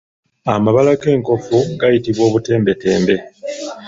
Amabala g'enkofu gayitibwa obutembetembe.